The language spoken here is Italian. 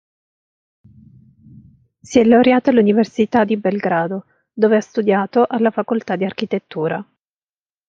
Si è laureato all'Università di Belgrado, dove ha studiato alla Facoltà di Architettura.